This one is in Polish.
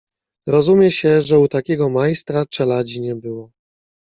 "Rozumie się, że u takiego majstra czeladzi nie było."